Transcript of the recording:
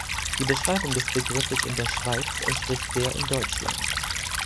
Die Beschreibung des Begriffes in der Schweiz entspricht der in Deutschland.